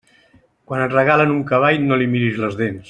Quan et regalen un cavall no li mires les dents.